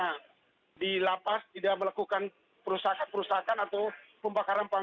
karena di lapas tidak melakukan perusahaan perusahaan atau pembakaran